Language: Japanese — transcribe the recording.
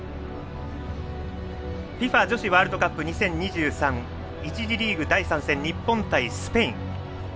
ＦＩＦＡ女子ワールドカップ２０２３、１次リーグ第３戦日本対スペイン。